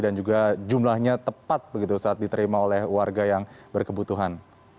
dan juga jumlahnya tepat begitu saat diterima oleh warga yang berkebutuhan